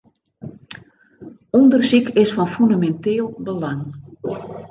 Undersyk is fan fûneminteel belang.